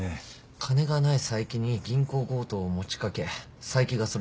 金がない佐伯に銀行強盗を持ち掛け佐伯がそれに乗った。